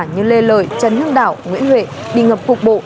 như lê lợi trần hương đảo nguyễn huệ bị ngập cục bộ